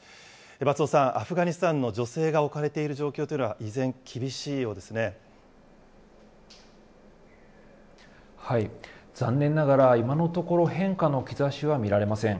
松尾さん、アフガニスタンの女性が置かれている状況というのは依残念ながら今のところ、変化の兆しは見られません。